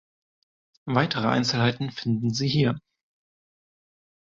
Weitere Einzelheiten finden Sie hier.